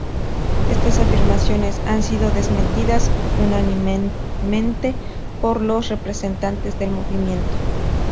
Estas afirmaciones han sido desmentidas unánimemente por los representantes del movimiento.